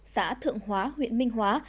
xã thượng hóa huyện minh hòa